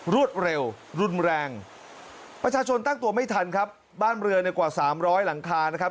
รวดเร็วรุนแรงประชาชนตั้งตัวไม่ทันครับบ้านเรือในกว่าสามร้อยหลังคานะครับ